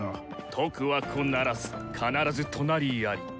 徳は孤ならず必ず隣あり。